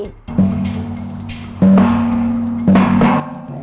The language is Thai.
สถานการณ์